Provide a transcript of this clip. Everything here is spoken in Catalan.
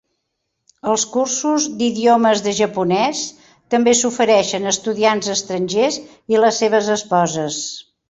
Els cursos d"idiomes de japonès també s"ofereixen a estudiants estrangers i les seves esposes.